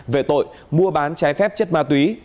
về tội mua bán trái phép chất ma túy